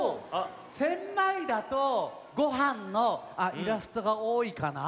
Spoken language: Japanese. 千枚田とごはんのイラストがおおいかな？